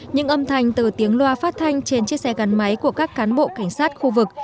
những âm thanh từ tiếng loa phát thanh trên chiếc xe gắn máy của các cán bộ cảnh sát khu vực